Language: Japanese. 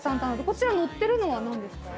こちらのってるのは何ですか？